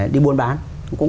đi buôn bán